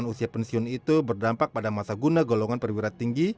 usia pensiun itu berdampak pada masa guna golongan perwira tinggi